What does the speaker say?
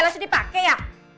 langsung dipake ya